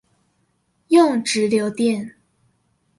用直流電